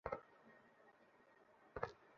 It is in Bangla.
দেখো ও যেন আবার পালাতে না পারে!